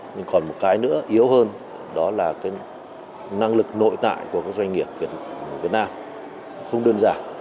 nhưng còn một cái nữa yếu hơn đó là cái năng lực nội tại của các doanh nghiệp việt nam không đơn giản